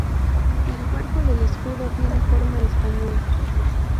El cuerpo del escudo tiene forma española.